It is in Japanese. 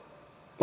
「あ！」